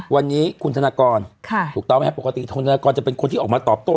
วันนี้คุณธนกรค่ะถูกต้องไหมปกติคุณธนกรจะเป็นคนที่ออกมาตอบโต